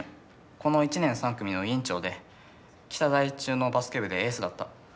この１年３組の委員長で北第一中のバスケ部でエースだった。